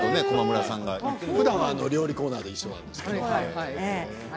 ふだんは料理コーナーで一緒なんですけどね。